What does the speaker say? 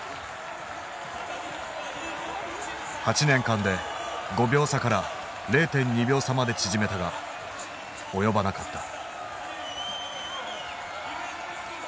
８年間で５秒差から０．２秒差まで縮めたが及ばなかった。